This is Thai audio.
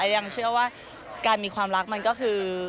ยังเชื่อว่าการมีความรักมันก็คือ